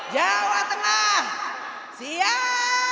jawa tengah siap